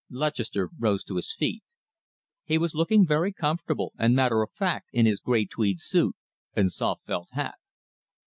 Lutchester rose to his feet. He was looking very comfortable and matter of fact in his grey tweed suit and soft felt hat.